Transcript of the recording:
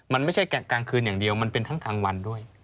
มันไม่ใช่กลางคืนอย่างเดียวมันเป็นทั้งกลางวันด้วย